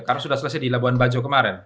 karena sudah selesai di labuan banjo kemarin